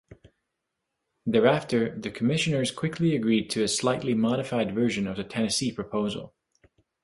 Thereafter, the commissioners quickly agreed to a slightly modified version of the Tennessee proposal.